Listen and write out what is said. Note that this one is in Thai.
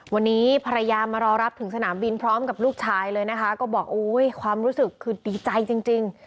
วันนี้ภรรยามารอรับถึงสนามบินพร้อมกับลูกชายเลยนะคะก็บอกโอ้ยความรู้สึกคือดีใจจริง